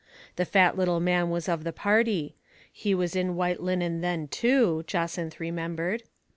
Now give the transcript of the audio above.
The fat little man was of the party ; he was in white then, too, Jacynth remembered.